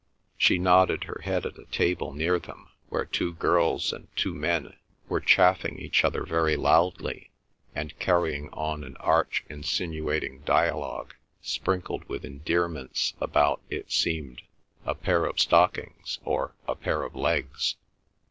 She nodded her head at a table near them, where two girls and two young men were chaffing each other very loudly, and carrying on an arch insinuating dialogue, sprinkled with endearments, about, it seemed, a pair of stockings or a pair of legs.